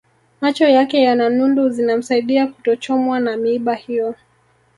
Macho yake yana nundu zinamsaidia kutochomwa na miiba hiyo